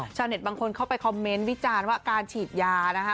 บางคนเข้าไปคอมเมนต์วิจารณ์ว่าการฉีดยานะคะ